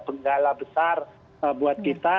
penggala besar buat kita